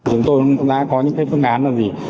chúng tôi đã có những phương án là gì